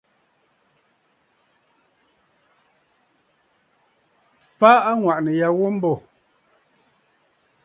Fa aŋwàʼànə̀ ya ghu mbô.